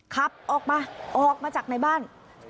ขับออกมาออกมาจากในบ้าน